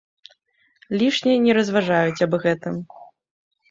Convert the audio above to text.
Лішне не разважаюць аб гэтым.